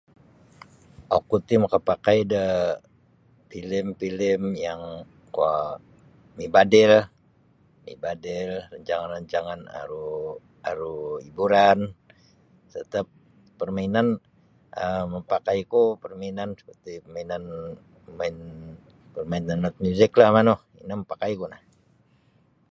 Oku ti makapakai da filim-filim yang kuo mibadil, mibadil, rancangan-rancangan aru aru hiburan, setiap permainan um mapakaiku permainan seperti mainan main bemain alat muziklah manu ino mapakaiku no